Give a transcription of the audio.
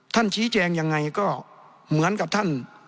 ชี้แจงยังไงก็เหมือนกับท่าน